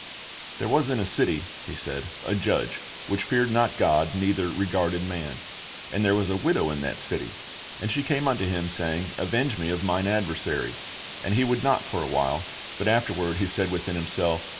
"There was in a city," He said, "a judge, which feared not God, neither regarded man; and there was a widow in that city; and she came unto him, saying, Avenge me of mine adversary. And he would not for a while; but afterward he said within himself.